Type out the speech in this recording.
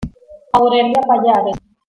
Aurelia Pallares.